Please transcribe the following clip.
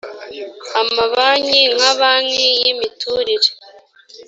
amabanki nka banki y imiturire